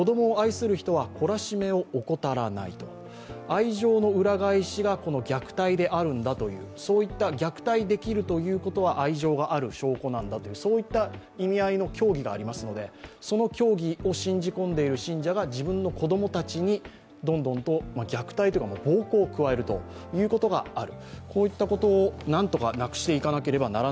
愛情の裏返しが、この虐待であるのだという、そういった虐待できるということは愛情がある証拠なんだとそういった意味合いの教義がありますのでその教義を信じ込んでいる信者が、自分の子供たちにどんどんと虐待というか暴行を加えるということがある。